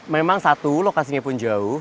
memang satu lokasinya pun jauh